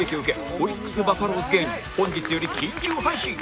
オリックス・バファローズ芸人本日より緊急配信！